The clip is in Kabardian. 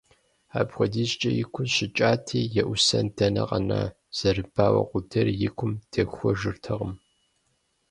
Апхуэдизкӏэ и гур щыкӏати, еӏусэн дэнэ къэна, зэрыбауэ къудейр и гум техуэжыртэкъм.